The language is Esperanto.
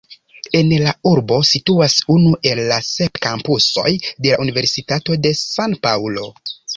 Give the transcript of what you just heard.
En la urbo situas unu el la sep kampusoj de la Universitato de San-Paŭlo.